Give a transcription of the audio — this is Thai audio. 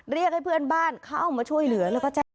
เรียกให้เพื่อนบ้านเข้ามาช่วยเหลือ